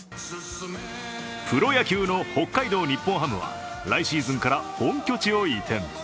プロ野球の北海道日本ハムは来シーズンから本拠地を移転。